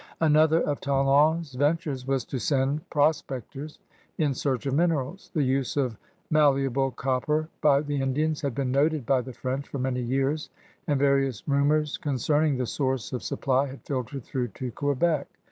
Another of Talon's ventures was to send pro spectors in search of minerals. The use of malle able copper by the Indians had been noted by the French for many years and various rumors con cerning the source of supply had filtered through to Quebec.